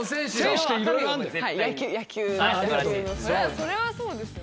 それはそうですよね。